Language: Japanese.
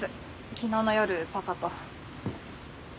昨日の夜パパと。